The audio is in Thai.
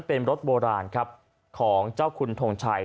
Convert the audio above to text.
เป็นรถโบราณครับของเจ้าคุณทงชัย